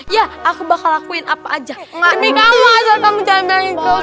ya aku bakal lakuin apa aja demi kamu asal kamu jangan bilangin ke